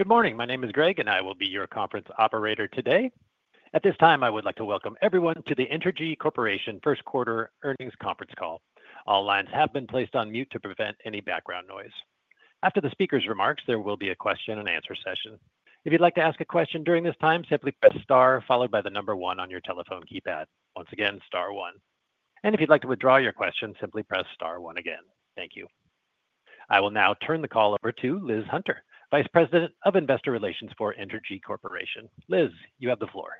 Good morning. My name is Greg, and I will be your conference operator today. At this time, I would like to welcome everyone to the Entergy Corporation First Quarter Earnings Conference Call. All lines have been placed on mute to prevent any background noise. After the speaker's remarks, there will be a question-and-answer session. If you'd like to ask a question during this time, simply press star followed by the number one on your telephone keypad. Once again, star one. If you'd like to withdraw your question, simply press star one again. Thank you. I will now turn the call over to Liz Hunter, Vice President of Investor Relations for Entergy Corporation. Liz, you have the floor.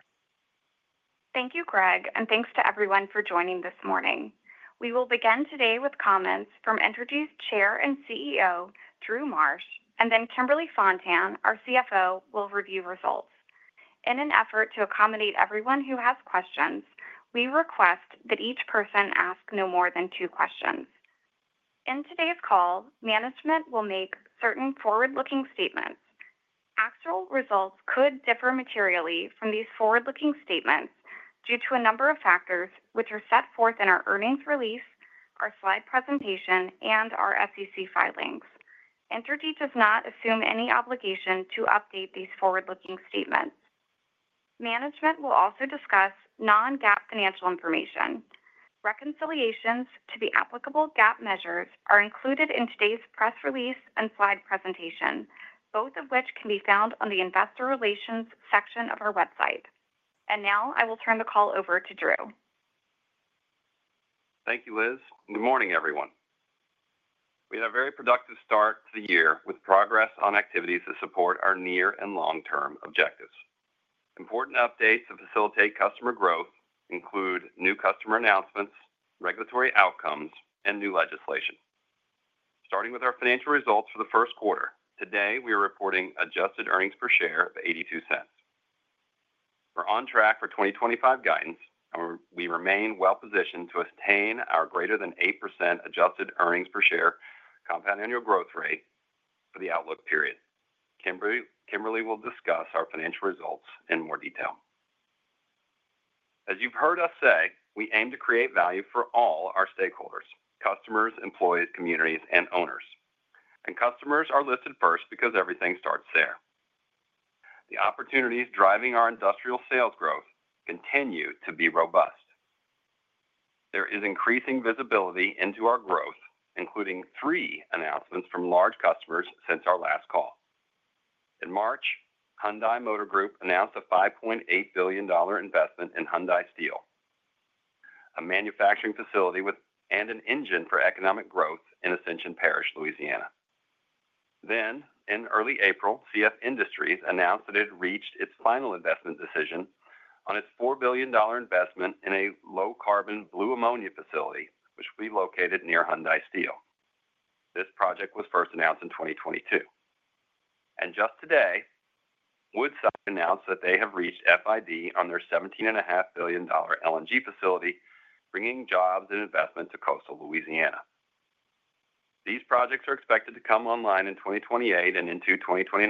Thank you, Greg, and thanks to everyone for joining this morning. We will begin today with comments from Entergy's Chair and CEO, Drew Marsh, and then Kimberly Fontan, our CFO, who will review results. In an effort to accommodate everyone who has questions, we request that each person ask no more than two questions. In today's call, management will make certain forward-looking statements. Actual results could differ materially from these forward-looking statements due to a number of factors which are set forth in our earnings release, our slide presentation, and our SEC filings. Entergy does not assume any obligation to update these forward-looking statements. Management will also discuss non-GAAP financial information. Reconciliations to the applicable GAAP measures are included in today's press release and slide presentation, both of which can be found on the Investor Relations section of our website. Now I will turn the call over to Drew. Thank you, Liz. Good morning, everyone. We had a very productive start to the year with progress on activities that support our near and long-term objectives. Important updates to facilitate customer growth include new customer announcements, regulatory outcomes, and new legislation. Starting with our financial results for the first quarter, today we are reporting adjusted earnings per share of $0.82. We are on track for 2025 guidance, and we remain well-positioned to attain our greater than 8% adjusted earnings per share compound annual growth rate for the outlook period. Kimberly will discuss our financial results in more detail. As you have heard us say, we aim to create value for all our stakeholders: customers, employees, communities, and owners. Customers are listed first because everything starts there. The opportunities driving our industrial sales growth continue to be robust. There is increasing visibility into our growth, including three announcements from large customers since our last call. In March, Hyundai Motor Group announced a $5.8 billion investment in Hyundai Steel, a manufacturing facility and an engine for economic growth in Ascension Parish, Louisiana. In early April, CF Industries announced that it had reached its final investment decision on its $4 billion investment in a low-carbon blue ammonia facility, which will be located near Hyundai Steel. This project was first announced in 2022. Just today, Woodside announced that they have reached FID on their $17.5 billion LNG facility, bringing jobs and investment to coastal Louisiana. These projects are expected to come online in 2028 and into 2029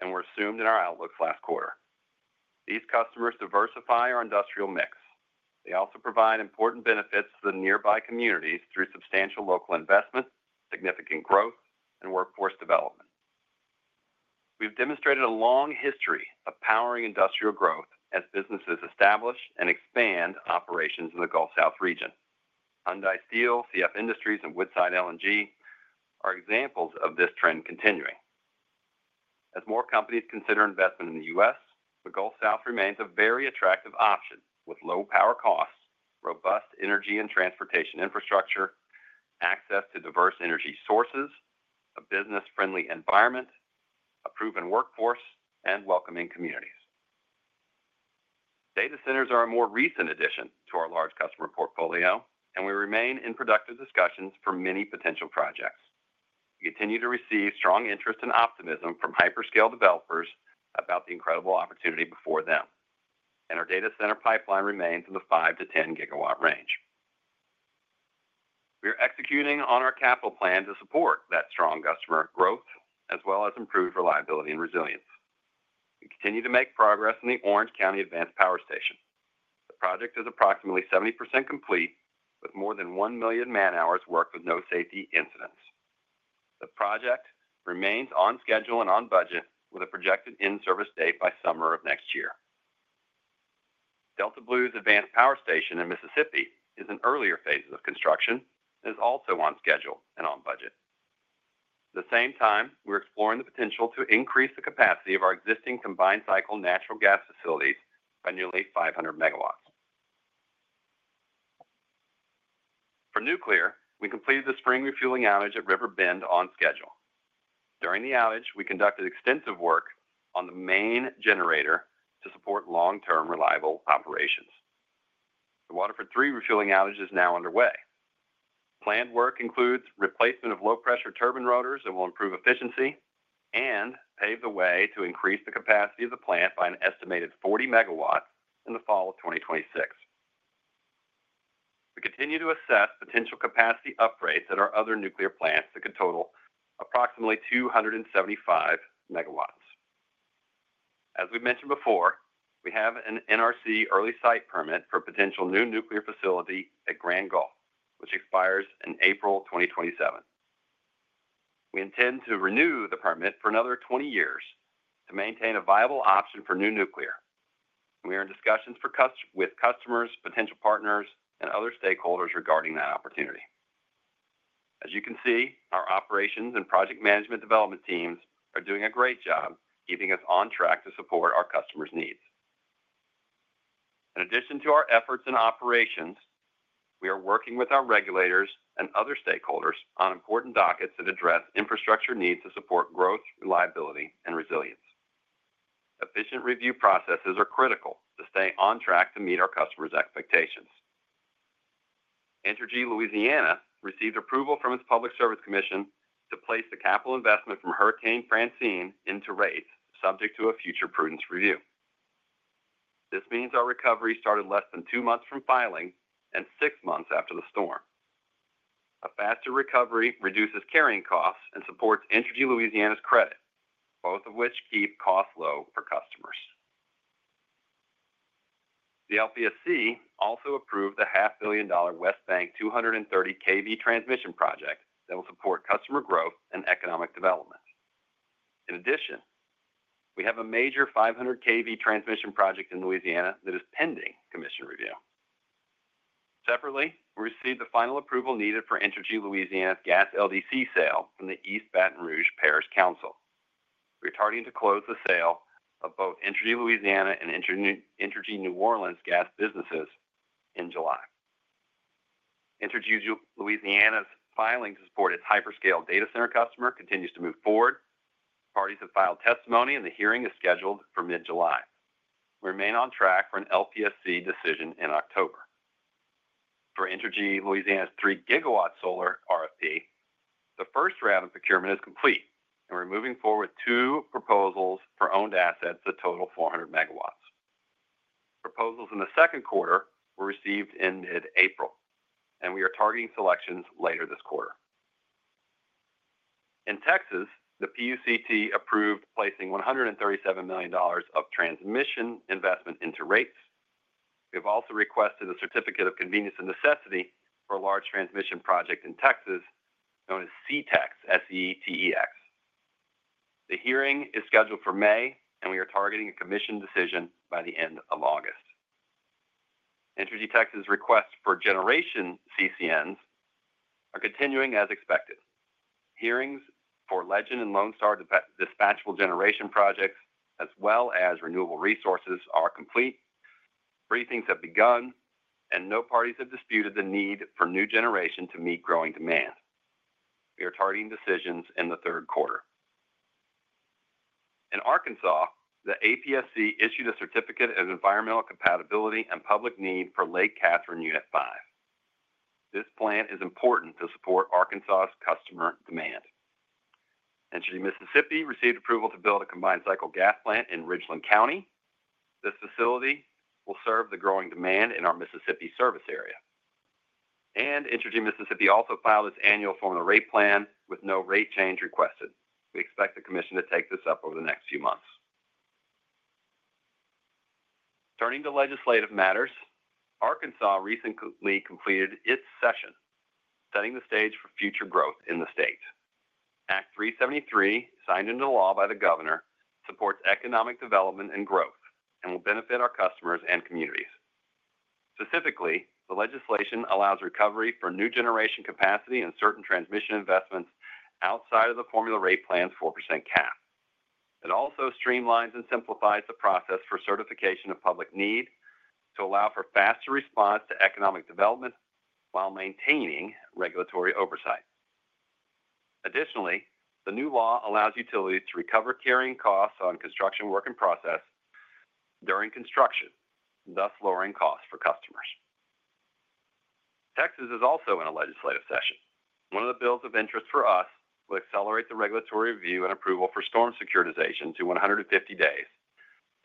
and were assumed in our outlooks last quarter. These customers diversify our industrial mix. They also provide important benefits to the nearby communities through substantial local investment, significant growth, and workforce development. We've demonstrated a long history of powering industrial growth as businesses establish and expand operations in the Gulf South region. Hyundai Steel, CF Industries, and Woodside LNG are examples of this trend continuing. As more companies consider investment in the U.S., the Gulf South remains a very attractive option with low power costs, robust energy and transportation infrastructure, access to diverse energy sources, a business-friendly environment, a proven workforce, and welcoming communities. Data centers are a more recent addition to our large customer portfolio, and we remain in productive discussions for many potential projects. We continue to receive strong interest and optimism from hyperscale developers about the incredible opportunity before them. Our data center pipeline remains in the 5-10 GW range. We are executing on our capital plan to support that strong customer growth as well as improved reliability and resilience. We continue to make progress in the Orange County Advanced Power Station. The project is approximately 70% complete, with more than 1 million man-hours worked with no safety incidents. The project remains on schedule and on budget, with a projected in-service date by summer of next year. Delta Blues Advanced Power Station in Mississippi is in earlier phases of construction and is also on schedule and on budget. At the same time, we're exploring the potential to increase the capacity of our existing combined cycle natural gas facilities by nearly 500 MW. For nuclear, we completed the spring refueling outage at River Bend on schedule. During the outage, we conducted extensive work on the main generator to support long-term reliable operations. The work for three refueling outages is now underway. Planned work includes replacement of low-pressure turbine rotors that will improve efficiency and pave the way to increase the capacity of the plant by an estimated 40 MW in the fall of 2026. We continue to assess potential capacity upgrades at our other nuclear plants that could total approximately 275 MW. As we mentioned before, we have an NRC early site permit for a potential new nuclear facility at Grand Gulf, which expires in April 2027. We intend to renew the permit for another 20 years to maintain a viable option for new nuclear. We are in discussions with customers, potential partners, and other stakeholders regarding that opportunity. As you can see, our operations and project management development teams are doing a great job keeping us on track to support our customers' needs. In addition to our efforts and operations, we are working with our regulators and other stakeholders on important dockets that address infrastructure needs to support growth, reliability, and resilience. Efficient review processes are critical to stay on track to meet our customers' expectations. Entergy Louisiana received approval from its Public Service Commission to place the capital investment from Hurricane Francine into rates, subject to a future prudence review. This means our recovery started less than two months from filing and six months after the storm. A faster recovery reduces carrying costs and supports Entergy Louisiana's credit, both of which keep costs low for customers. The LPSC also approved the $500,000,000 West Bank 230 kV transmission project that will support customer growth and economic development. In addition, we have a major 500 kV transmission project in Louisiana that is pending commission review. Separately, we received the final approval needed for Entergy Louisiana's gas LDC sale from the East Baton Rouge Parish Council. We are starting to close the sale of both Entergy Louisiana and Entergy New Orleans gas businesses in July. Entergy Louisiana's filing to support its hyperscale data center customer continues to move forward. Parties have filed testimony, and the hearing is scheduled for mid-July. We remain on track for an LPSC decision in October. For Entergy Louisiana's 3 GW solar RFP, the first round of procurement is complete, and we're moving forward with two proposals for owned assets that total 400 MW. Proposals in the second quarter were received in mid-April, and we are targeting selections later this quarter. In Texas, the PUCT approved placing $137 million of transmission investment into rates. We have also requested a certificate of convenience and necessity for a large transmission project in Texas known as SETEX, S-E-T-E-X. The hearing is scheduled for May, and we are targeting a commission decision by the end of August. Entergy Texas' requests for generation CCNs are continuing as expected. Hearings for Legend and Lone Star dispatchable generation projects, as well as renewable resources, are complete. Briefings have begun, and no parties have disputed the need for new generation to meet growing demand. We are targeting decisions in the third quarter. In Arkansas, the APSC issued a certificate of environmental compatibility and public need for Lake Catherine Unit 5. This plant is important to support Arkansas' customer demand. Entergy Mississippi received approval to build a combined cycle gas plant in Ridgeland County. This facility will serve the growing demand in our Mississippi service area. Entergy Mississippi also filed its annual formula rate plan with no rate change requested. We expect the commission to take this up over the next few months. Turning to legislative matters, Arkansas recently completed its session, setting the stage for future growth in the state. Act 373, signed into law by the governor, supports economic development and growth and will benefit our customers and communities. Specifically, the legislation allows recovery for new generation capacity and certain transmission investments outside of the formula rate plan's 4% cap. It also streamlines and simplifies the process for certification of public need to allow for faster response to economic development while maintaining regulatory oversight. Additionally, the new law allows utilities to recover carrying costs on construction work in process during construction, thus lowering costs for customers. Texas is also in a legislative session. One of the bills of interest for us will accelerate the regulatory review and approval for storm securitization to 150 days,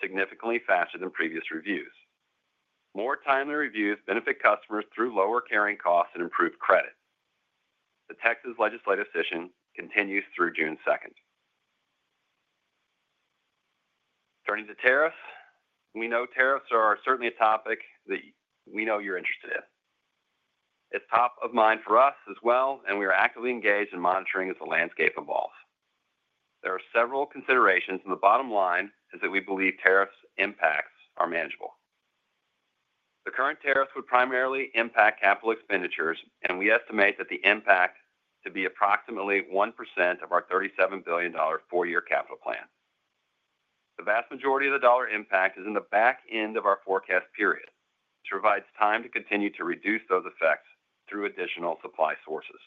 significantly faster than previous reviews. More timely reviews benefit customers through lower carrying costs and improved credit. The Texas legislative session continues through June 2nd. Turning to tariffs, we know tariffs are certainly a topic that we know you're interested in. It's top of mind for us as well, and we are actively engaged in monitoring as the landscape evolves. There are several considerations, and the bottom line is that we believe tariffs' impacts are manageable. The current tariffs would primarily impact capital expenditures, and we estimate that the impact to be approximately 1% of our $37 billion four-year capital plan. The vast majority of the dollar impact is in the back end of our forecast period, which provides time to continue to reduce those effects through additional supply sources.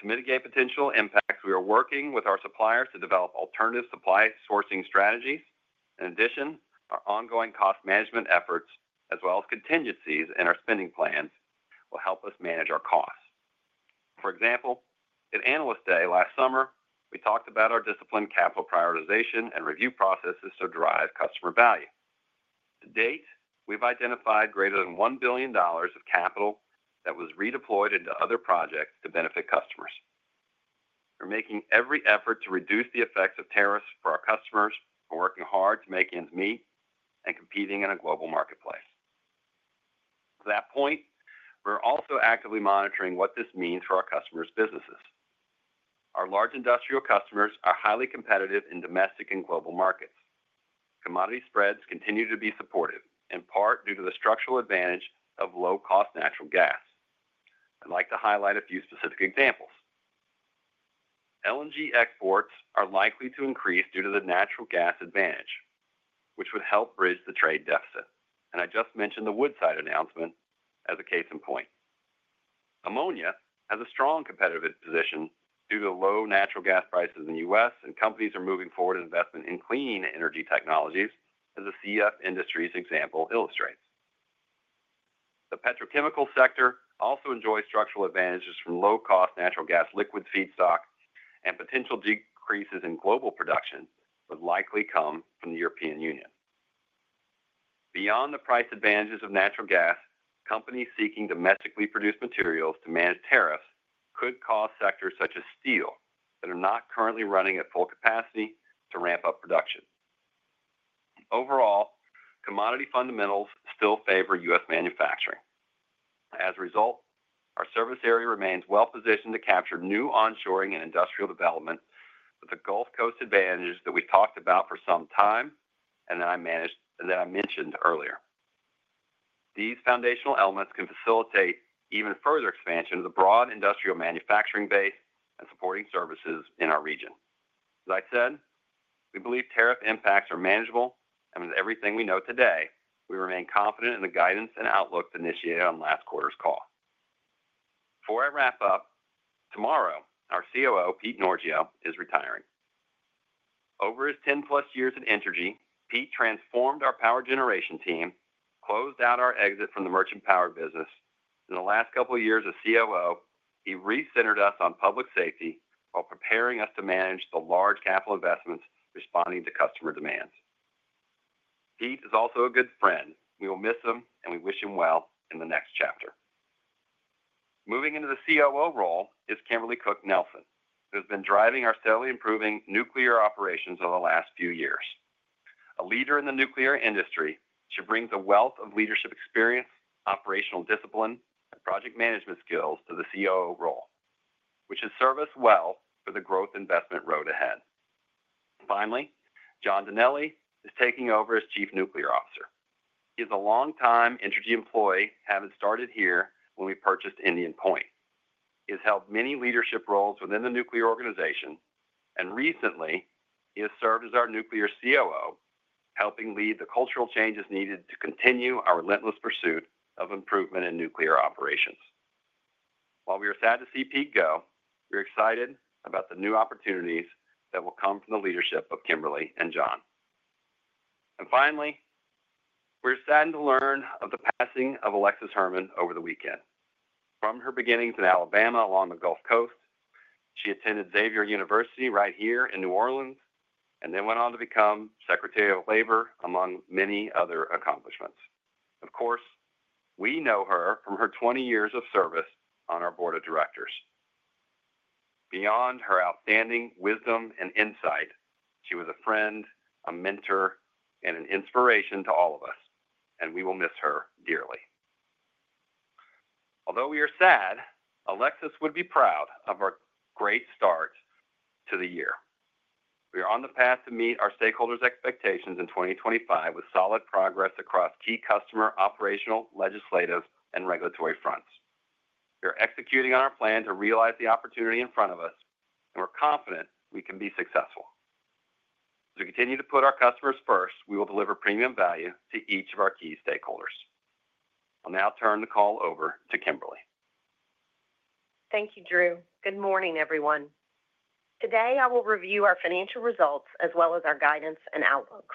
To mitigate potential impacts, we are working with our suppliers to develop alternative supply sourcing strategies. In addition, our ongoing cost management efforts, as well as contingencies in our spending plans, will help us manage our costs. For example, at Analyst Day last summer, we talked about our disciplined capital prioritization and review processes to drive customer value. To date, we've identified greater than $1 billion of capital that was redeployed into other projects to benefit customers. We're making every effort to reduce the effects of tariffs for our customers, working hard to make ends meet, and competing in a global marketplace. To that point, we're also actively monitoring what this means for our customers' businesses. Our large industrial customers are highly competitive in domestic and global markets. Commodity spreads continue to be supportive, in part due to the structural advantage of low-cost natural gas. I would like to highlight a few specific examples. LNG exports are likely to increase due to the natural gas advantage, which would help bridge the trade deficit. I just mentioned the Woodside announcement as a case in point. Ammonia has a strong competitive position due to low natural gas prices in the U.S., and companies are moving forward with investment in clean energy technologies, as the CF Industries example illustrates. The petrochemical sector also enjoys structural advantages from low-cost natural gas liquid feedstock, and potential decreases in global production would likely come from the European Union. Beyond the price advantages of natural gas, companies seeking domestically produced materials to manage tariffs could cause sectors such as steel that are not currently running at full capacity to ramp up production. Overall, commodity fundamentals still favor U.S. manufacturing. As a result, our service area remains well-positioned to capture new onshoring and industrial development with the Gulf Coast advantages that we have talked about for some time and that I mentioned earlier. These foundational elements can facilitate even further expansion of the broad industrial manufacturing base and supporting services in our region. As I said, we believe tariff impacts are manageable, and with everything we know today, we remain confident in the guidance and outlook initiated on last quarter's call. Before I wrap up, tomorrow, our COO, Pete Norgeot, is retiring. Over his 10-plus years at Entergy, Pete transformed our power generation team, closed out our exit from the merchant power business. In the last couple of years as COO, he re-centered us on public safety while preparing us to manage the large capital investments responding to customer demands. Pete is also a good friend. We will miss him, and we wish him well in the next chapter. Moving into the COO role is Kimberly Cook-Nelson, who has been driving our steadily improving nuclear operations over the last few years. A leader in the nuclear industry, she brings a wealth of leadership experience, operational discipline, and project management skills to the COO role, which has served us well for the growth investment road ahead. Finally, John Dinelli is taking over as Chief Nuclear Officer. He is a longtime Entergy employee, having started here when we purchased Indian Point. He has held many leadership roles within the nuclear organization, and recently, he has served as our nuclear COO, helping lead the cultural changes needed to continue our relentless pursuit of improvement in nuclear operations. While we are sad to see Pete go, we are excited about the new opportunities that will come from the leadership of Kimberly and John. Finally, we are saddened to learn of the passing of Alexis Herman over the weekend. From her beginnings in Alabama along the Gulf Coast, she attended Xavier University right here in New Orleans, and then went on to become Secretary of Labor, among many other accomplishments. Of course, we know her from her 20 years of service on our board of directors. Beyond her outstanding wisdom and insight, she was a friend, a mentor, and an inspiration to all of us, and we will miss her dearly. Although we are sad, Alexis would be proud of our great start to the year. We are on the path to meet our stakeholders' expectations in 2025 with solid progress across key customer, operational, legislative, and regulatory fronts. We are executing on our plan to realize the opportunity in front of us, and we're confident we can be successful. To continue to put our customers first, we will deliver premium value to each of our key stakeholders. I'll now turn the call over to Kimberly. Thank you, Drew. Good morning, everyone. Today, I will review our financial results as well as our guidance and outlook.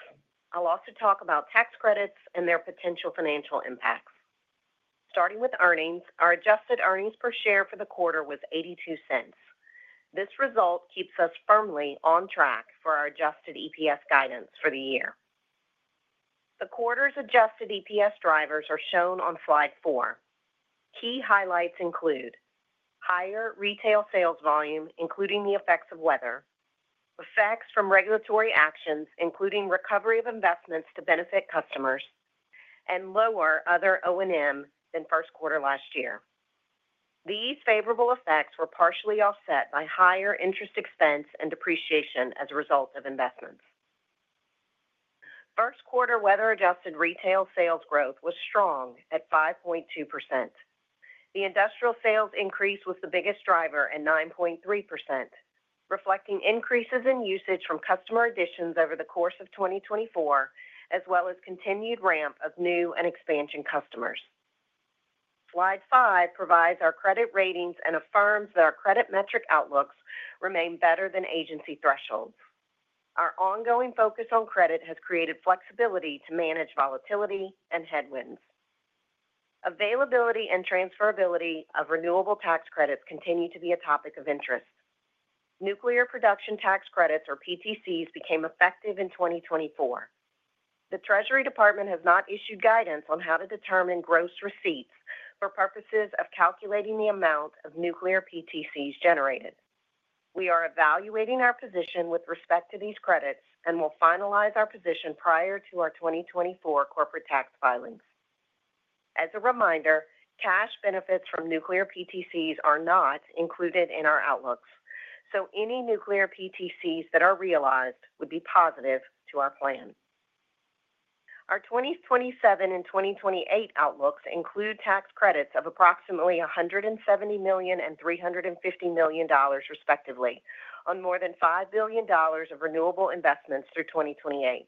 I'll also talk about tax credits and their potential financial impacts. Starting with earnings, our adjusted earnings per share for the quarter was $0.82. This result keeps us firmly on track for our adjusted EPS guidance for the year. The quarter's adjusted EPS drivers are shown on slide four. Key highlights include higher retail sales volume, including the effects of weather, effects from regulatory actions, including recovery of investments to benefit customers, and lower other O&M than first quarter last year. These favorable effects were partially offset by higher interest expense and depreciation as a result of investments. First quarter weather-adjusted retail sales growth was strong at 5.2%. The industrial sales increase was the biggest driver at 9.3%, reflecting increases in usage from customer additions over the course of 2024, as well as continued ramp of new and expansion customers. Slide five provides our credit ratings and affirms that our credit metric outlooks remain better than agency thresholds. Our ongoing focus on credit has created flexibility to manage volatility and headwinds. Availability and transferability of renewable tax credits continue to be a topic of interest. Nuclear production tax credits, or PTCs, became effective in 2024. The Treasury Department has not issued guidance on how to determine gross receipts for purposes of calculating the amount of nuclear PTCs generated. We are evaluating our position with respect to these credits and will finalize our position prior to our 2024 corporate tax filings. As a reminder, cash benefits from nuclear PTCs are not included in our outlooks, so any nuclear PTCs that are realized would be positive to our plan. Our 2027 and 2028 outlooks include tax credits of approximately $170 million and $350 million, respectively, on more than $5 billion of renewable investments through 2028.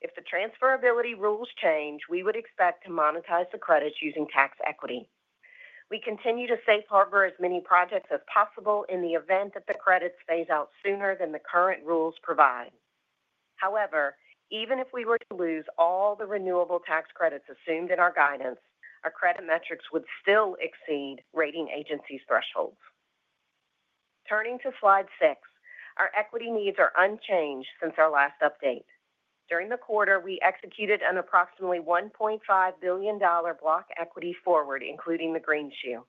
If the transferability rules change, we would expect to monetize the credits using tax equity. We continue to safeguard as many projects as possible in the event that the credits phase out sooner than the current rules provide. However, even if we were to lose all the renewable tax credits assumed in our guidance, our credit metrics would still exceed rating agencies' thresholds. Turning to slide six, our equity needs are unchanged since our last update. During the quarter, we executed an approximately $1.5 billion block equity forward, including the green shoe.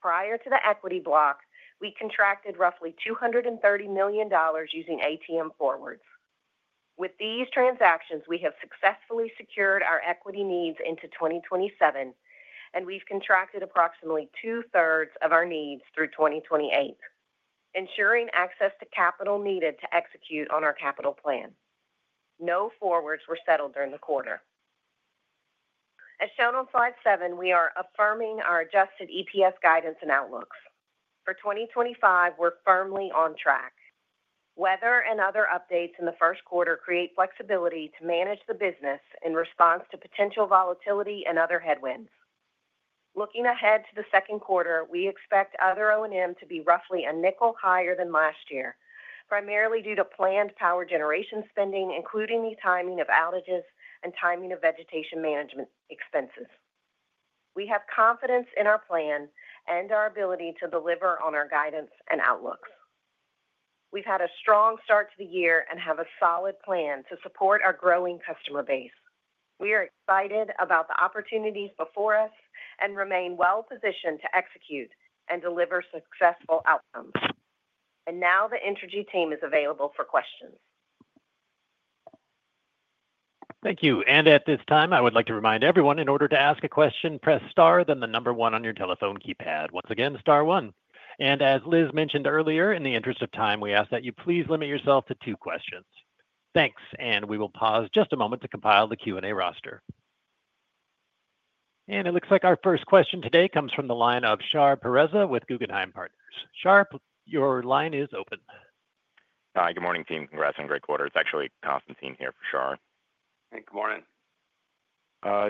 Prior to the equity block, we contracted roughly $230 million using ATM forwards. With these transactions, we have successfully secured our equity needs into 2027, and we've contracted approximately 2/3 of our needs through 2028, ensuring access to capital needed to execute on our capital plan. No forwards were settled during the quarter. As shown on slide seven, we are affirming our adjusted EPS guidance and outlooks. For 2025, we're firmly on track. Weather and other updates in the first quarter create flexibility to manage the business in response to potential volatility and other headwinds. Looking ahead to the second quarter, we expect other O&M to be roughly a nickel higher than last year, primarily due to planned power generation spending, including the timing of outages and timing of vegetation management expenses. We have confidence in our plan and our ability to deliver on our guidance and outlooks. We've had a strong start to the year and have a solid plan to support our growing customer base. We are excited about the opportunities before us and remain well-positioned to execute and deliver successful outcomes. The Entergy team is available for questions. Thank you. At this time, I would like to remind everyone, in order to ask a question, press star, then the number one on your telephone keypad. Once again, star one. As Liz mentioned earlier, in the interest of time, we ask that you please limit yourself to two questions. Thanks. We will pause just a moment to compile the Q&A roster. It looks like our first question today comes from the line of Shar Pourreza with Guggenheim Partners. Shar, your line is open. Hi. Good morning, team. Congrats on great quarters. Actually, Constantine here for Shar. Hey, good morning.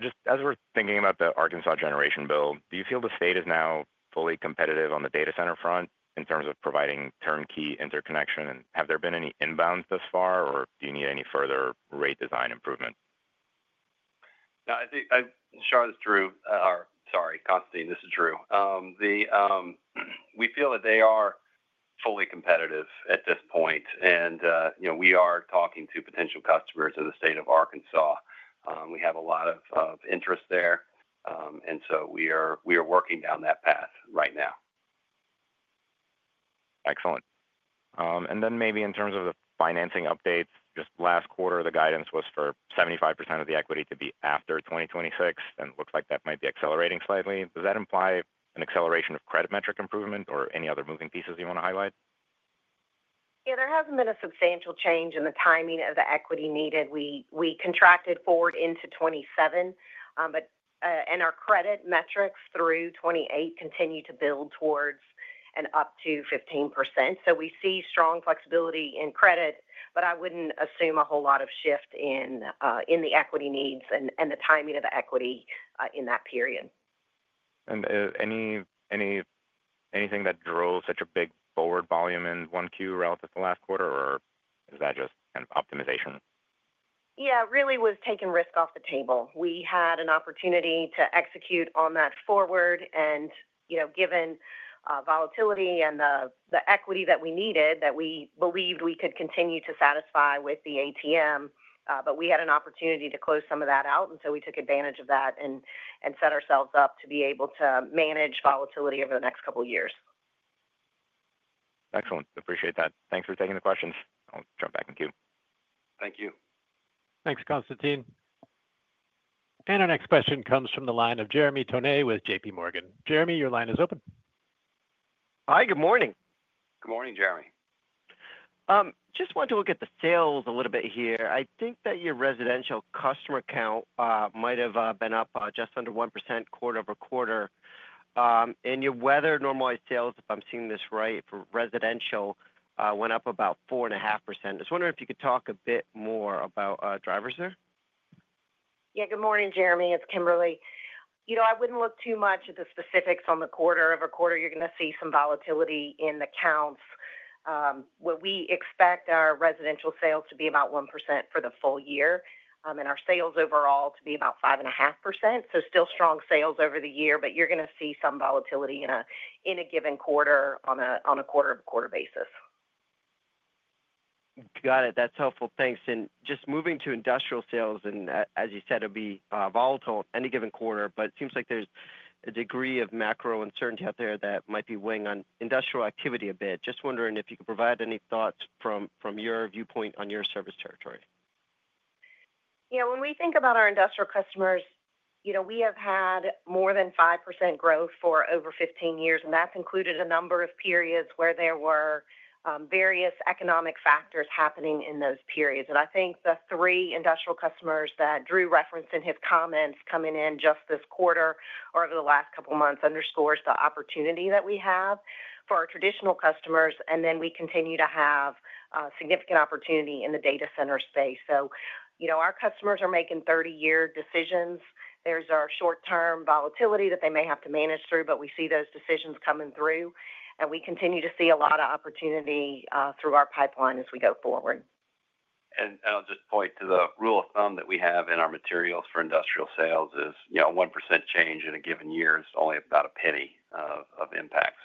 Just as we're thinking about the Arkansas generation bill, do you feel the state is now fully competitive on the data center front in terms of providing turnkey interconnection? Have there been any inbounds thus far, or do you need any further rate design improvement? Shar is Drew. Sorry, Constantine, this is Drew. We feel that they are fully competitive at this point. We are talking to potential customers in the state of Arkansas. We have a lot of interest there. We are working down that path right now. Excellent. Maybe in terms of the financing updates, just last quarter, the guidance was for 75% of the equity to be after 2026, and it looks like that might be accelerating slightly. Does that imply an acceleration of credit metric improvement or any other moving pieces you want to highlight? Yeah, there has not been a substantial change in the timing of the equity needed. We contracted forward into 2027, and our credit metrics through 2028 continue to build towards an up to 15%. We see strong flexibility in credit, but I would not assume a whole lot of shift in the equity needs and the timing of the equity in that period. Anything that drove such a big forward volume in one quarter relative to last quarter, or is that just kind of optimization? Yeah, really was taking risk off the table. We had an opportunity to execute on that forward, and given volatility and the equity that we needed, that we believed we could continue to satisfy with the ATM. We had an opportunity to close some of that out, and we took advantage of that and set ourselves up to be able to manage volatility over the next couple of years. Excellent. Appreciate that. Thanks for taking the questions. I'll jump back in queue. Thank you. Thanks, Constantine. Our next question comes from the line of Jeremy Tonet with JPMorgan. Jeremy, your line is open. Hi, good morning. Good morning, Jeremy. Just wanted to look at the sales a little bit here. I think that your residential customer count might have been up just under 1% quarter-over-quarter. Your weather-normalized sales, if I'm seeing this right, for residential went up about 4.5%. I was wondering if you could talk a bit more about drivers there. Yeah, good morning, Jeremy. It's Kimberly. I wouldn't look too much at the specifics on the quarter. Every quarter, you're going to see some volatility in the counts. What we expect our residential sales to be about 1% for the full year and our sales overall to be about 5.5%. Still strong sales over the year, but you're going to see some volatility in a given quarter on a quarter-over-quarter basis. Got it. That's helpful. Thanks. Just moving to industrial sales, and as you said, it'll be volatile in any given quarter, but it seems like there's a degree of macro uncertainty out there that might be weighing on industrial activity a bit. Just wondering if you could provide any thoughts from your viewpoint on your service territory. Yeah, when we think about our industrial customers, we have had more than 5% growth for over 15 years, and that has included a number of periods where there were various economic factors happening in those periods. I think the three industrial customers that Drew referenced in his comments coming in just this quarter or over the last couple of months underscores the opportunity that we have for our traditional customers, and we continue to have significant opportunity in the data center space. Our customers are making 30-year decisions. There is short-term volatility that they may have to manage through, but we see those decisions coming through, and we continue to see a lot of opportunity through our pipeline as we go forward. I'll just point to the rule of thumb that we have in our materials for industrial sales: 1% change in a given year is only about a penny of impact.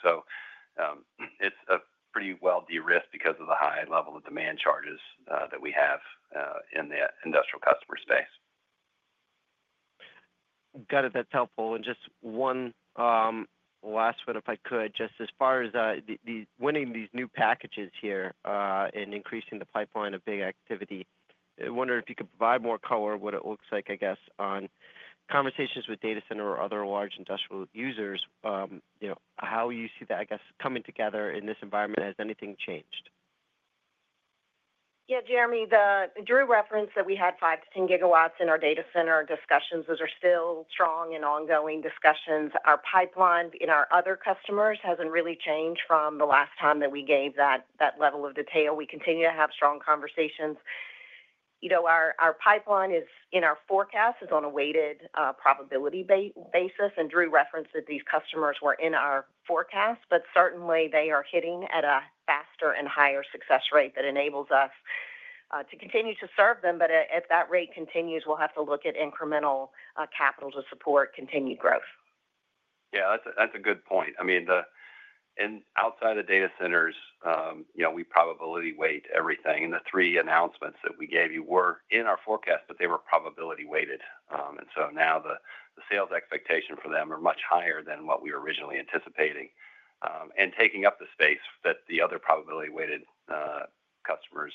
It is pretty well de-risked because of the high level of demand charges that we have in the industrial customer space. Got it. That's helpful. Just one last one, if I could, as far as winning these new packages here and increasing the pipeline of big activity. I wonder if you could provide more color of what it looks like, I guess, on conversations with data center or other large industrial users. How you see that, I guess, coming together in this environment? Has anything changed? Yeah, Jeremy, Drew referenced that we had 5-10 GW in our data center discussions. Those are still strong and ongoing discussions. Our pipeline in our other customers has not really changed from the last time that we gave that level of detail. We continue to have strong conversations. Our pipeline in our forecast is on a weighted probability basis, and Drew referenced that these customers were in our forecast, but certainly they are hitting at a faster and higher success rate that enables us to continue to serve them. If that rate continues, we will have to look at incremental capital to support continued growth. Yeah, that is a good point. I mean, outside of data centers, we probability weight everything. The three announcements that we gave you were in our forecast, but they were probability weighted. Now the sales expectation for them are much higher than what we were originally anticipating, and taking up the space that the other probability weighted customers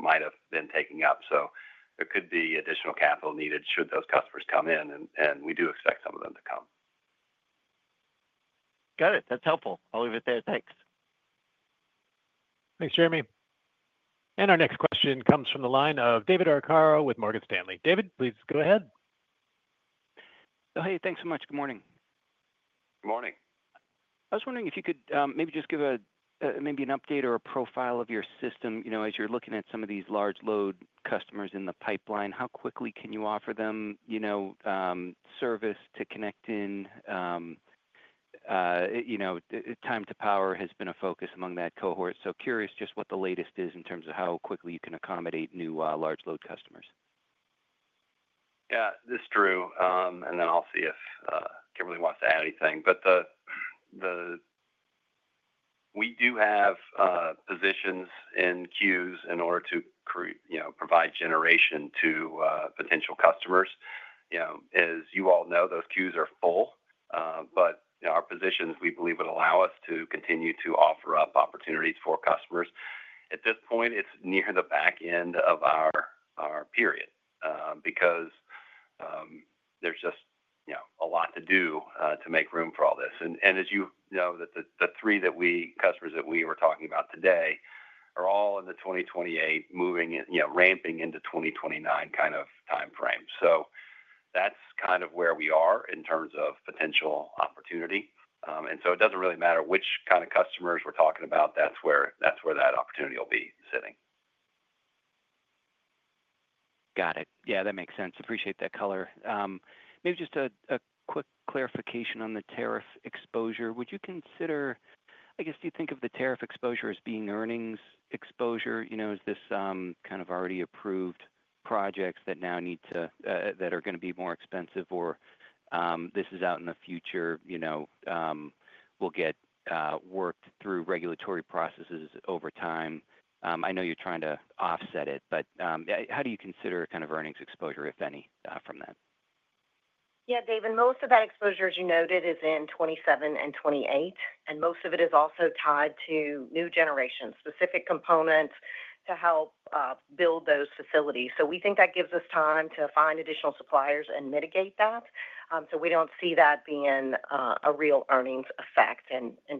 might have been taking up. There could be additional capital needed should those customers come in, and we do expect some of them to come. Got it. That's helpful. I'll leave it there. Thanks. Thanks, Jeremy. Our next question comes from the line of David Arcaro with Morgan Stanley. David, please go ahead. Oh, hey, thanks so much. Good morning. Good morning. I was wondering if you could maybe just give maybe an update or a profile of your system as you're looking at some of these large load customers in the pipeline. How quickly can you offer them service to connect in? Time to power has been a focus among that cohort. Curious just what the latest is in terms of how quickly you can accommodate new large load customers. Yeah, this is Drew. I'll see if Kimberly wants to add anything. We do have positions in queues in order to provide generation to potential customers. As you all know, those queues are full, but our positions, we believe, would allow us to continue to offer up opportunities for customers. At this point, it is near the back end of our period because there is just a lot to do to make room for all this. As you know, the three customers that we were talking about today are all in the 2028, ramping into 2029 kind of time frame. That is kind of where we are in terms of potential opportunity. It does not really matter which kind of customers we are talking about. That is where that opportunity will be sitting. Got it. Yeah, that makes sense. Appreciate that color. Maybe just a quick clarification on the tariff exposure. Would you consider, I guess, do you think of the tariff exposure as being earnings exposure? Is this kind of already approved projects that now need to, that are going to be more expensive, or this is out in the future, will get worked through regulatory processes over time? I know you're trying to offset it, but how do you consider kind of earnings exposure, if any, from that? Yeah, David, most of that exposure, as you noted, is in 2027 and 2028, and most of it is also tied to new generation, specific components to help build those facilities. We think that gives us time to find additional suppliers and mitigate that. We do not see that being a real earnings effect.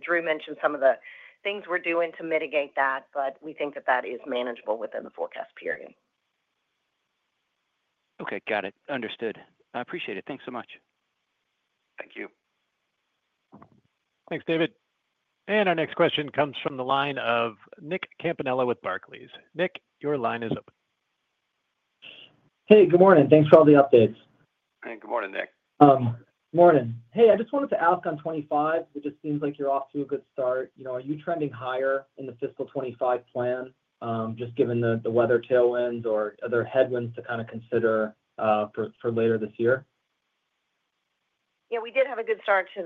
Drew mentioned some of the things we're doing to mitigate that, but we think that that is manageable within the forecast period. Okay, got it. Understood. I appreciate it. Thanks so much. Thank you. Thanks, David. Our next question comes from the line of Nick Campanella with Barclays. Nick, your line is open. Hey, good morning. Thanks for all the updates. Hey, good morning, Nick. Good morning. Hey, I just wanted to ask on 2025, it just seems like you're off to a good start. Are you trending higher in the fiscal 2025 plan, just given the weather tailwinds or other headwinds to kind of consider for later this year? Yeah, we did have a good start to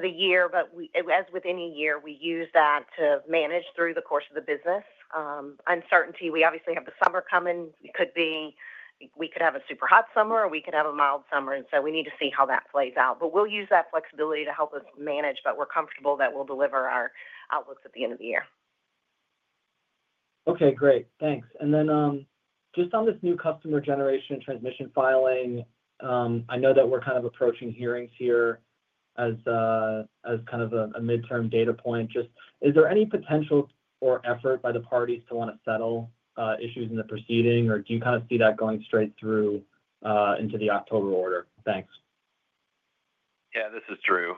the year, but as with any year, we use that to manage through the course of the business. Uncertainty, we obviously have the summer coming. We could have a super hot summer, or we could have a mild summer. We need to see how that plays out. We will use that flexibility to help us manage, but we are comfortable that we will deliver our outlooks at the end of the year. Okay, great. Thanks. Then just on this new customer generation transmission filing, I know that we are kind of approaching hearings here as kind of a midterm data point. Just is there any potential or effort by the parties to want to settle issues in the proceeding, or do you kind of see that going straight through into the October order? Thanks. Yeah, this is Drew.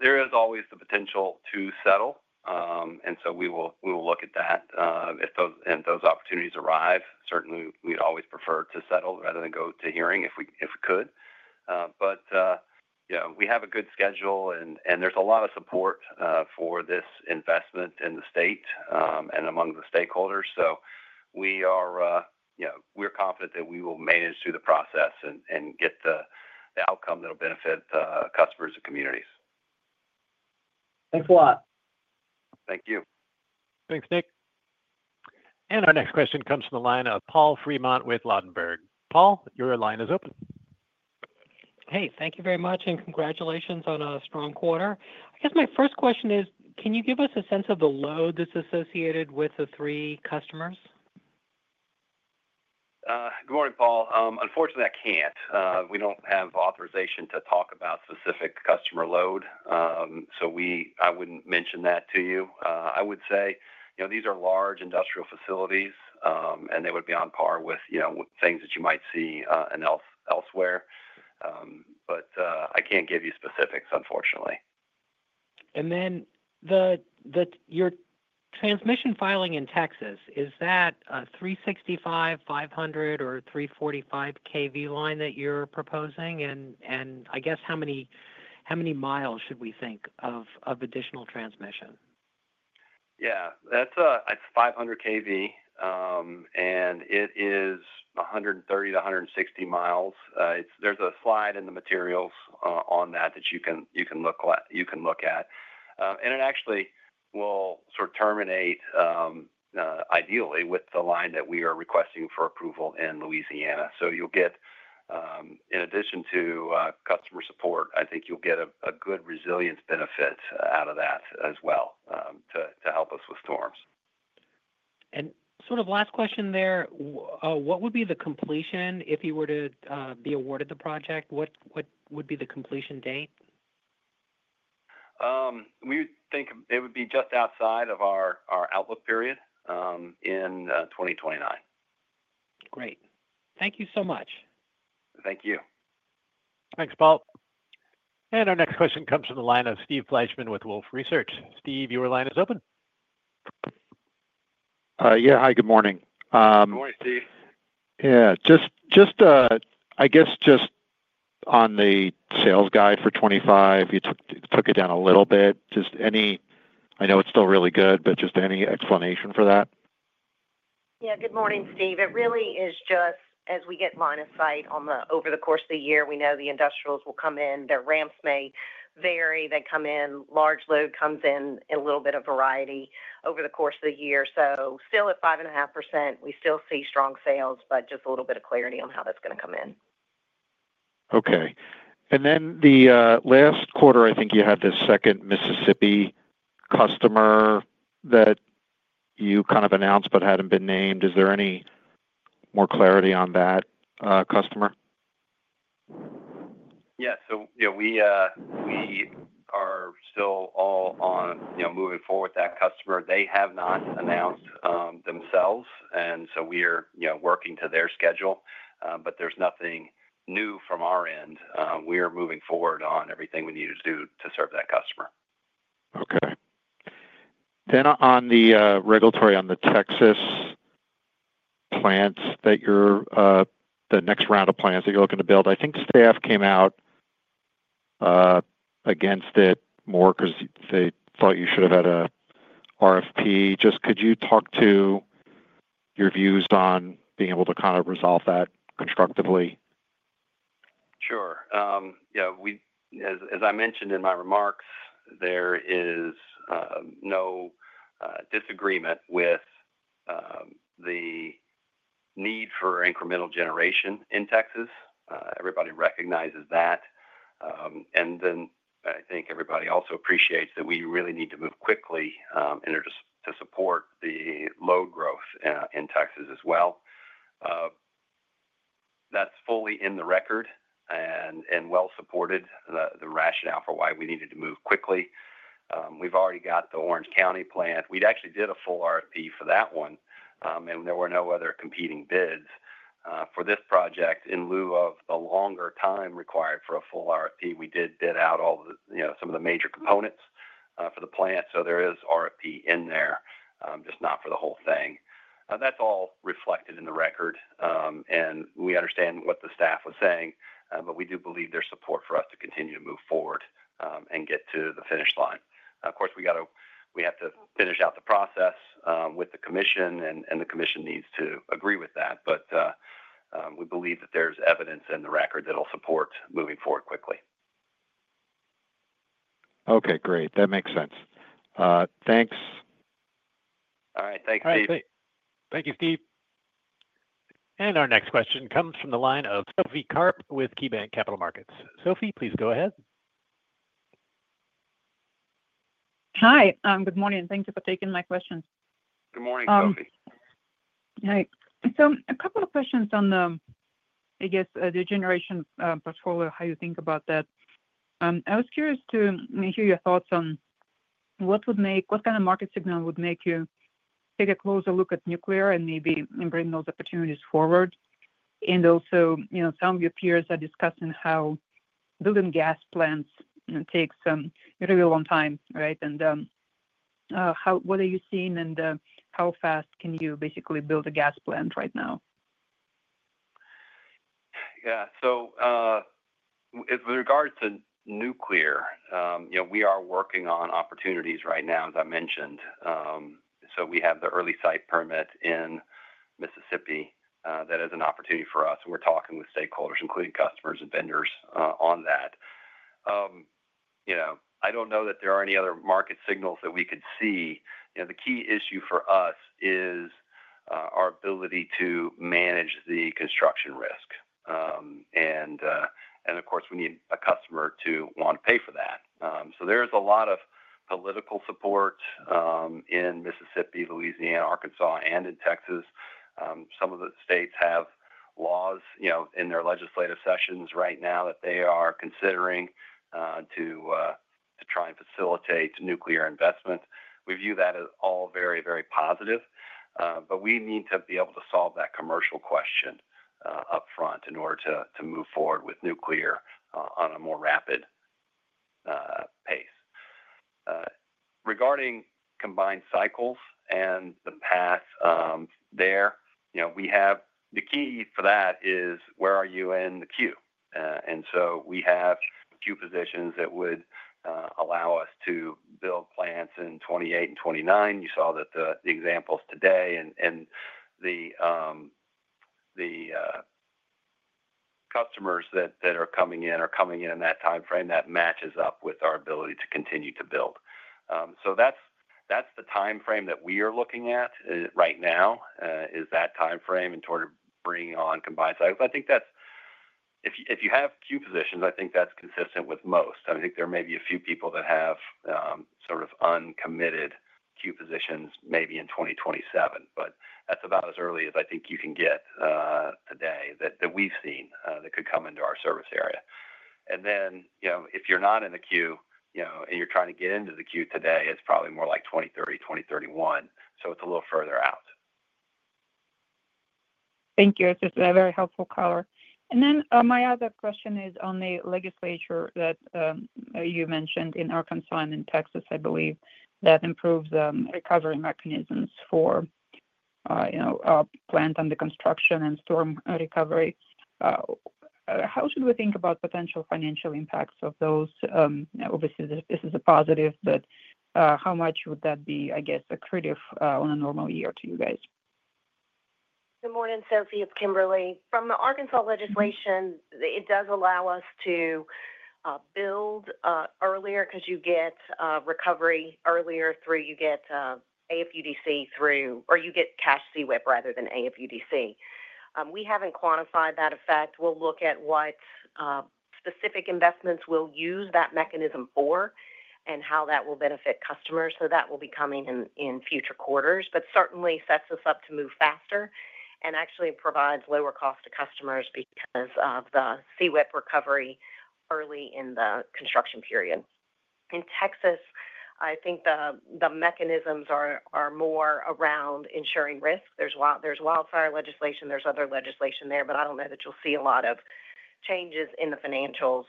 There is always the potential to settle, and so we will look at that. If those opportunities arise, certainly we would always prefer to settle rather than go to hearing if we could. We have a good schedule, and there is a lot of support for this investment in the state and among the stakeholders. We're confident that we will manage through the process and get the outcome that will benefit customers and communities. Thanks a lot. Thank you. Thanks, Nick. Our next question comes from the line of Paul Fremont with Ladenburg. Paul, your line is open. Hey, thank you very much, and congratulations on a strong quarter. I guess my first question is, can you give us a sense of the load that's associated with the three customers? Good morning, Paul. Unfortunately, I can't. We don't have authorization to talk about specific customer load, so I wouldn't mention that to you. I would say these are large industrial facilities, and they would be on par with things that you might see elsewhere. I can't give you specifics, unfortunately. Your transmission filing in Texas, is that a 365, 500, or 345 kV line that you're proposing? I guess how many miles should we think of additional transmission? Yeah, it's 500 kV, and it is 130-160 mi. There's a slide in the materials on that that you can look at. It actually will sort of terminate ideally with the line that we are requesting for approval in Louisiana. You will get, in addition to customer support, I think you will get a good resilience benefit out of that as well to help us with storms. Last question there, what would be the completion if you were to be awarded the project? What would be the completion date? We think it would be just outside of our outlook period in 2029. Great. Thank you so much. Thank you. Thanks, Paul. Our next question comes from the line of Steve Fleishman with Wolfe Research. Steve, your line is open. Yeah, hi, good morning. Good morning, Steve. I guess just on the sales guide for 2025, you took it down a little bit. I know it's still really good, but just any explanation for that? Good morning, Steve. It really is just as we get line of sight over the course of the year, we know the industrials will come in. Their ramps may vary. They come in, large load comes in, a little bit of variety over the course of the year. Still at 5.5%, we still see strong sales, but just a little bit of clarity on how that's going to come in. Okay. The last quarter, I think you had the second Mississippi customer that you kind of announced but hadn't been named. Is there any more clarity on that customer? Yeah. We are still all on moving forward with that customer. They have not announced themselves, and we are working to their schedule, but there is nothing new from our end. We are moving forward on everything we need to do to serve that customer. Okay. On the regulatory, on the Texas plants that you are the next round of plants that you are looking to build, I think staff came out against it more because they thought you should have had an RFP. Could you talk to your views on being able to kind of resolve that constructively? Sure. As I mentioned in my remarks, there is no disagreement with the need for incremental generation in Texas. Everybody recognizes that. I think everybody also appreciates that we really need to move quickly in order to support the load growth in Texas as well. That's fully in the record and well-supported, the rationale for why we needed to move quickly. We've already got the Orange County plant. We actually did a full RFP for that one, and there were no other competing bids. For this project, in lieu of the longer time required for a full RFP, we did bid out some of the major components for the plant. So there is RFP in there, just not for the whole thing. That's all reflected in the record, and we understand what the staff was saying, but we do believe there's support for us to continue to move forward and get to the finish line. Of course, we have to finish out the process with the commission, and the commission needs to agree with that. We believe that there's evidence in the record that'll support moving forward quickly. Okay, great. That makes sense. Thanks. All right. Thanks, Steve. All right. Thank you, Steve. Our next question comes from the line of Sophie Karp with KeyBanc Capital Markets. Sophie, please go ahead. Hi. Good morning. Thank you for taking my questions. Good morning, Sophie. Hi. A couple of questions on the, I guess, the generation portfolio, how you think about that. I was curious to hear your thoughts on what kind of market signal would make you take a closer look at nuclear and maybe bring those opportunities forward. Also, some of your peers are discussing how building gas plants takes a really long time, right? What are you seeing, and how fast can you basically build a gas plant right now? Yeah. With regards to nuclear, we are working on opportunities right now, as I mentioned. We have the early site permit in Mississippi that is an opportunity for us. We're talking with stakeholders, including customers and vendors on that. I don't know that there are any other market signals that we could see. The key issue for us is our ability to manage the construction risk. Of course, we need a customer to want to pay for that. There is a lot of political support in Mississippi, Louisiana, Arkansas, and in Texas. Some of the states have laws in their legislative sessions right now that they are considering to try and facilitate nuclear investment. We view that as all very, very positive. We need to be able to solve that commercial question upfront in order to move forward with nuclear on a more rapid pace. Regarding combined cycles and the path there, the key for that is where are you in the queue? We have queue positions that would allow us to build plants in 2028 and 2029. You saw the examples today, and the customers that are coming in are coming in in that timeframe that matches up with our ability to continue to build. That is the timeframe that we are looking at right now, is that timeframe and sort of bringing on combined cycles. I think if you have queue positions, I think that is consistent with most. I think there may be a few people that have sort of uncommitted queue positions maybe in 2027, but that is about as early as I think you can get today that we have seen that could come into our service area. If you're not in the queue and you're trying to get into the queue today, it's probably more like 2030, 2031. It's a little further out. Thank you. This is very helpful color. My other question is on the legislature that you mentioned in Arkansas and in Texas, I believe that improves recovery mechanisms for plants under construction and storm recovery. How should we think about potential financial impacts of those? Obviously, this is a positive, but how much would that be, I guess, a credit on a normal year to you guys? Good morning, Sophie. It's Kimberly. From the Arkansas legislation, it does allow us to build earlier because you get recovery earlier through you get AFUDC through or you get cash CWIP rather than AFUDC. We haven't quantified that effect. We'll look at what specific investments we'll use that mechanism for and how that will benefit customers. That will be coming in future quarters, but certainly sets us up to move faster and actually provides lower cost to customers because of the CWIP recovery early in the construction period. In Texas, I think the mechanisms are more around ensuring risk. There's wildfire legislation. There's other legislation there, but I don't know that you'll see a lot of changes in the financials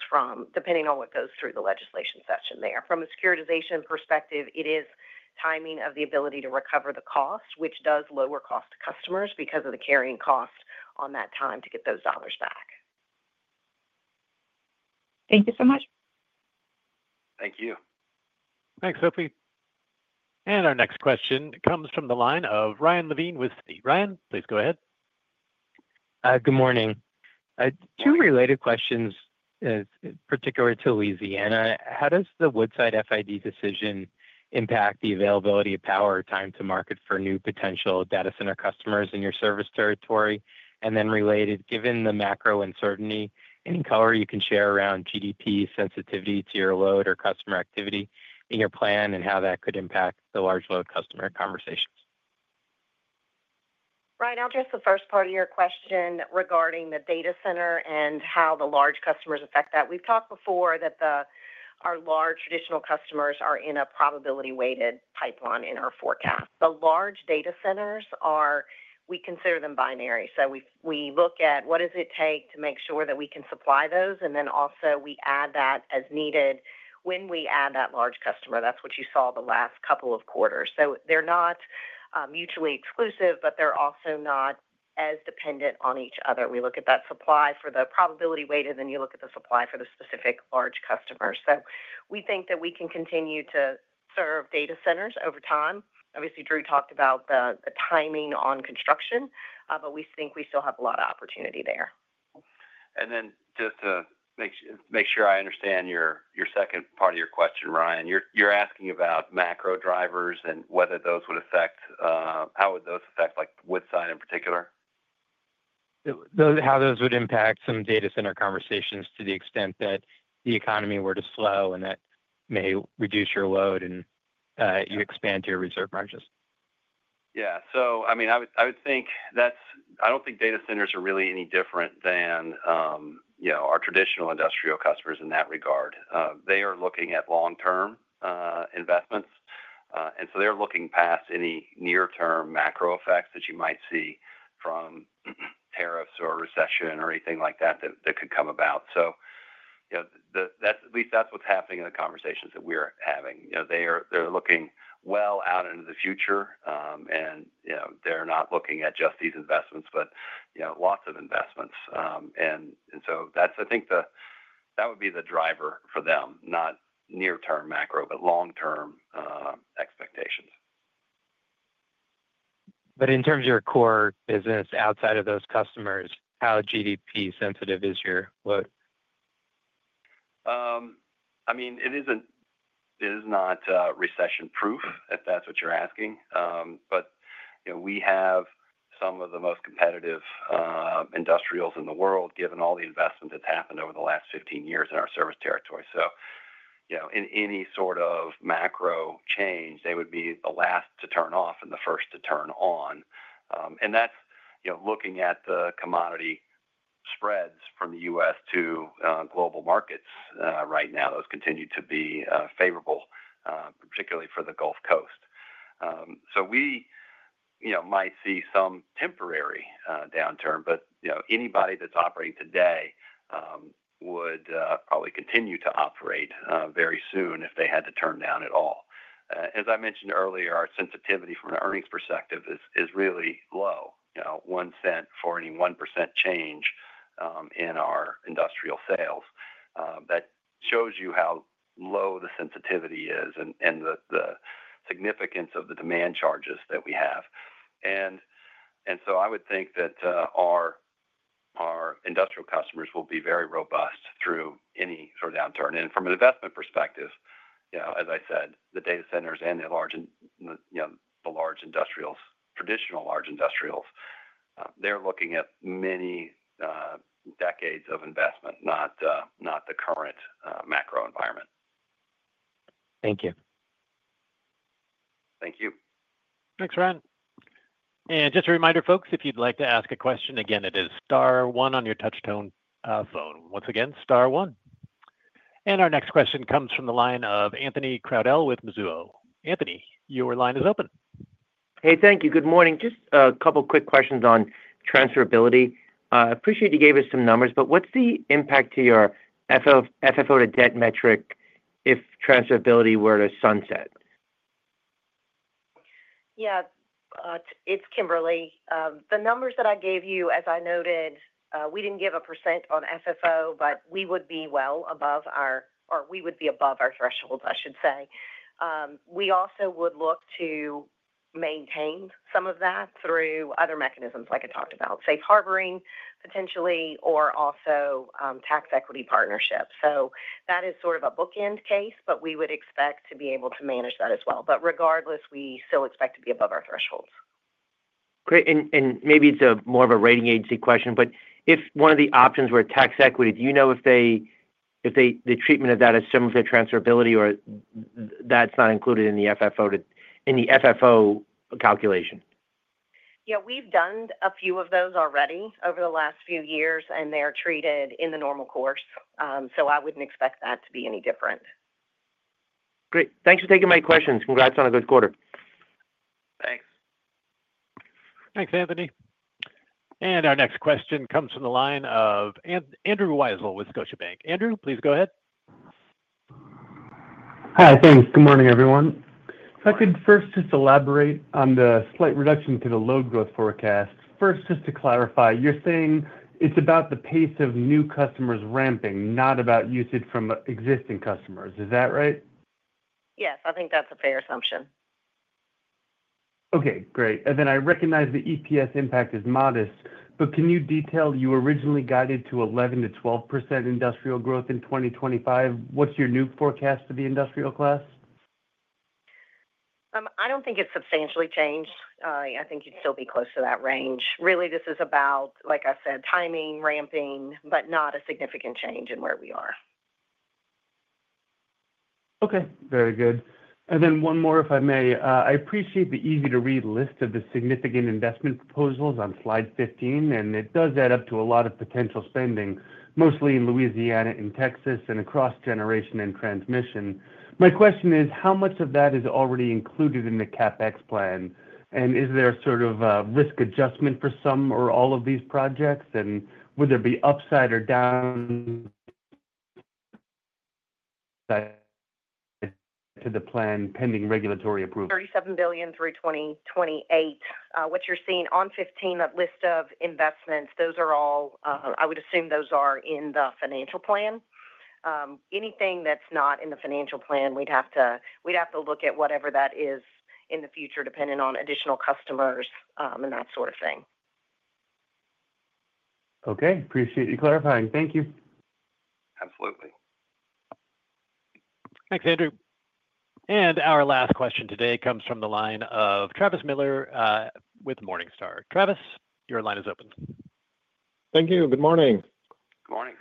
depending on what goes through the legislation session there. From a securitization perspective, it is timing of the ability to recover the cost, which does lower cost to customers because of the carrying cost on that time to get those dollars back. Thank you so much. Thank you. Thanks, Sophie. Our next question comes from the line of Ryan Levine with the Ryan, please go ahead. Good morning. Two related questions, particularly to Louisiana. How does the Woodside FID decision impact the availability of power or time to market for new potential data center customers in your service territory? Related, given the macro uncertainty, any color you can share around GDP sensitivity to your load or customer activity in your plan and how that could impact the large load customer conversations? Right. I'll address the first part of your question regarding the data center and how the large customers affect that. We've talked before that our large traditional customers are in a probability-weighted pipeline in our forecast. The large data centers, we consider them binary. We look at what does it take to make sure that we can supply those, and also we add that as needed when we add that large customer. That's what you saw the last couple of quarters. They're not mutually exclusive, but they're also not as dependent on each other. We look at that supply for the probability-weighted, and then you look at the supply for the specific large customers. We think that we can continue to serve data centers over time. Obviously, Drew talked about the timing on construction, but we think we still have a lot of opportunity there. Just to make sure I understand your second part of your question, Ryan, you're asking about macro drivers and whether those would affect how would those affect Woodside in particular? How those would impact some data center conversations to the extent that the economy were to slow and that may reduce your load and you expand your reserve margins. Yeah. I mean, I would think that's—I don't think data centers are really any different than our traditional industrial customers in that regard. They are looking at long-term investments, and so they're looking past any near-term macro effects that you might see from tariffs or recession or anything like that that could come about. At least that's what's happening in the conversations that we're having. They're looking well out into the future, and they're not looking at just these investments, but lots of investments. That's, I think, that would be the driver for them, not near-term macro, but long-term expectations. In terms of your core business outside of those customers, how GDP-sensitive is your load? I mean, it is not recession-proof, if that's what you're asking. We have some of the most competitive industrials in the world, given all the investment that's happened over the last 15 years in our service territory. In any sort of macro change, they would be the last to turn off and the first to turn on. That is looking at the commodity spreads from the U.S. to global markets right now. Those continue to be favorable, particularly for the Gulf Coast. We might see some temporary downturn, but anybody that's operating today would probably continue to operate very soon if they had to turn down at all. As I mentioned earlier, our sensitivity from an earnings perspective is really low, $0.01 for any 1% change in our industrial sales. That shows you how low the sensitivity is and the significance of the demand charges that we have. I would think that our industrial customers will be very robust through any sort of downturn. From an investment perspective, as I said, the data centers and the large industrials, traditional large industrials, they are looking at many decades of investment, not the current macro environment. Thank you. Thank you. Thanks, Ryan. Just a reminder, folks, if you would like to ask a question, again, it is star one on your touch-tone phone. Once again, star one. Our next question comes from the line of Anthony Crowdell with Mizuho. Anthony, your line is open. Hey, thank you. Good morning. Just a couple of quick questions on transferability. I appreciate you gave us some numbers, but what is the impact to your FFO to debt metric if transferability were to sunset? Yeah. It is Kimberly. The numbers that I gave you, as I noted, we did not give a percent on FFO, but we would be well above our or we would be above our threshold, I should say. We also would look to maintain some of that through other mechanisms like I talked about, safe harboring potentially, or also tax equity partnerships. That is sort of a bookend case, but we would expect to be able to manage that as well. Regardless, we still expect to be above our thresholds. Great. Maybe it is more of a rating agency question, but if one of the options were tax equity, do you know if the treatment of that is similar to transferability or that is not included in the FFO calculation? Yes. We have done a few of those already over the last few years, and they are treated in the normal course. I would not expect that to be any different. Great. Thanks for taking my questions. Congrats on a good quarter. Thanks. Thanks, Anthony. Our next question comes from the line of Andrew Weisel with Scotiabank. Andrew, please go ahead. Hi. Thanks. Good morning, everyone. If I could first just elaborate on the slight reduction to the load growth forecast. First, just to clarify, you are saying it is about the pace of new customers ramping, not about usage from existing customers. Is that right? Yes. I think that is a fair assumption. Okay. Great. I recognize the EPS impact is modest, but can you detail you originally guided to 11%-12% industrial growth in 2025? What is your new forecast for the industrial class? I do not think it is substantially changed. I think you would still be close to that range. Really, this is about, like I said, timing, ramping, but not a significant change in where we are. Okay. Very good. One more, if I may. I appreciate the easy-to-read list of the significant investment proposals on slide 15, and it does add up to a lot of potential spending, mostly in Louisiana and Texas and across generation and transmission. My question is, how much of that is already included in the CapEx plan? Is there sort of a risk adjustment for some or all of these projects? Would there be upside or downside to the plan pending regulatory approval? $37 billion through 2028. What you are seeing on 15, that list of investments, those are all, I would assume, those are in the financial plan. Anything that's not in the financial plan, we'd have to look at whatever that is in the future, depending on additional customers and that sort of thing. Okay. Appreciate you clarifying. Thank you. Absolutely. Thanks, Andrew. Our last question today comes from the line of Travis Miller with Morningstar. Travis, your line is open. Thank you. Good morning. Good morning.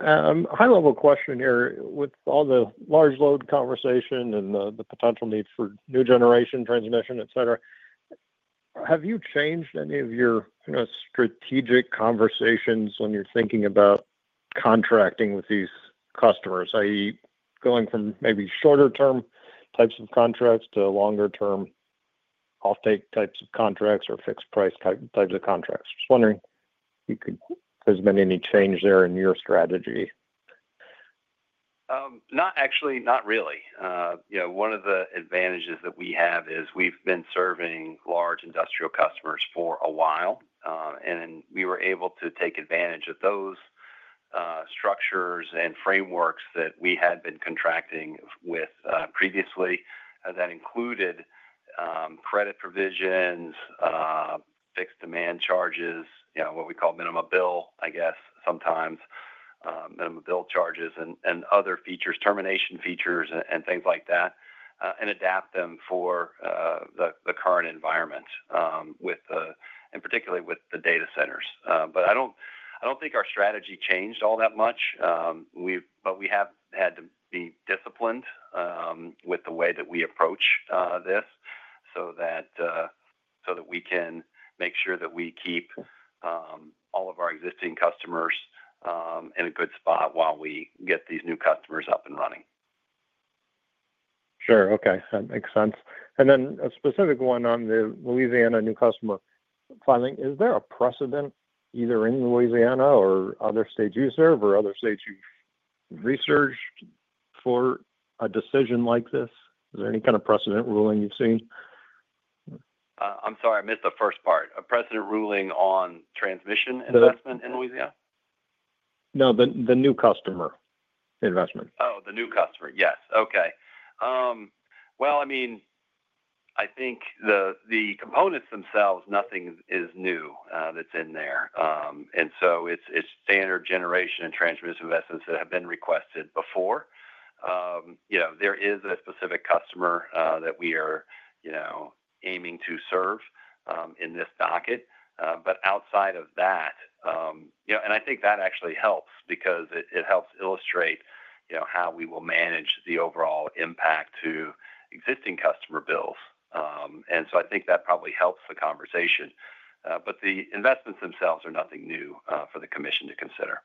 High-level question here with all the large load conversation and the potential need for new generation, transmission, etc. Have you changed any of your strategic conversations when you're thinking about contracting with these customers, i.e., going from maybe shorter-term types of contracts to longer-term offtake types of contracts or fixed-price types of contracts? Just wondering if there's been any change there in your strategy. Not really. One of the advantages that we have is we've been serving large industrial customers for a while, and we were able to take advantage of those structures and frameworks that we had been contracting with previously. That included credit provisions, fixed demand charges, what we call minimum bill, I guess, sometimes, minimum bill charges, and other features, termination features, and things like that, and adapt them for the current environment, particularly with the data centers. I don't think our strategy changed all that much, but we have had to be disciplined with the way that we approach this so that we can make sure that we keep all of our existing customers in a good spot while we get these new customers up and running. Sure. Okay. That makes sense. And then a specific one on the Louisiana new customer filing. Is there a precedent either in Louisiana or other states you serve or other states you've researched for a decision like this? Is there any kind of precedent ruling you've seen? I'm sorry. I missed the first part. A precedent ruling on transmission investment in Louisiana? No. The new customer investment. Oh, the new customer. Yes. Okay. I mean, I think the components themselves, nothing is new that's in there. And so it's standard generation and transmission investments that have been requested before. There is a specific customer that we are aiming to serve in this docket. Outside of that, I think that actually helps because it helps illustrate how we will manage the overall impact to existing customer bills. I think that probably helps the conversation. The investments themselves are nothing new for the commission to consider.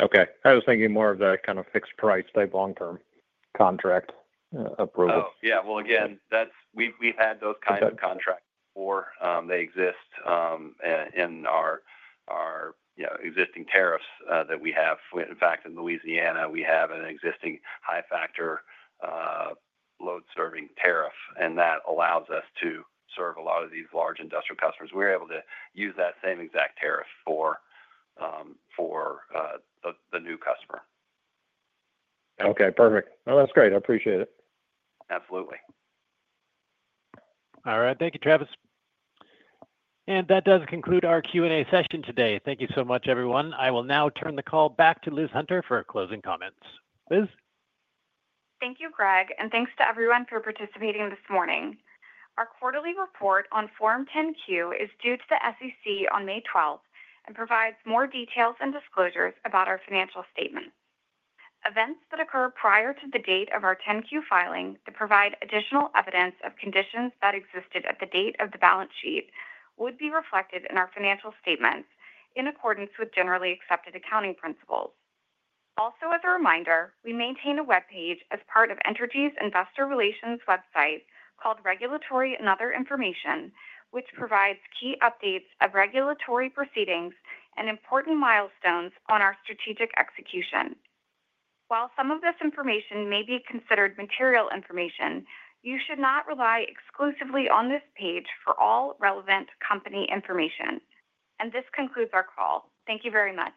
Okay. I was thinking more of the kind of fixed-price type long-term contract approval. Oh, yeah. Again, we've had those kinds of contracts before. They exist in our existing tariffs that we have. In fact, in Louisiana, we have an existing high-factor load-serving tariff, and that allows us to serve a lot of these large industrial customers. We're able to use that same exact tariff for the new customer. Okay. Perfect. That's great. I appreciate it. Absolutely. All right. Thank you, Travis. That does conclude our Q&A session today. Thank you so much, everyone. I will now turn the call back to Liz Hunter for closing comments. Liz? Thank you, Greg. Thanks to everyone for participating this morning. Our quarterly report on Form 10-Q is due to the SEC on May 12 and provides more details and disclosures about our financial statement. Events that occur prior to the date of our 10-Q filing that provide additional evidence of conditions that existed at the date of the balance sheet would be reflected in our financial statements in accordance with generally accepted accounting principles. Also, as a reminder, we maintain a webpage as part of Entergy's investor relations website called Regulatory and Other Information, which provides key updates of regulatory proceedings and important milestones on our strategic execution. While some of this information may be considered material information, you should not rely exclusively on this page for all relevant company information. This concludes our call. Thank you very much.